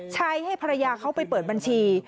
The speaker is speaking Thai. ให้ภรรยาเขาไปเปิดบัญชี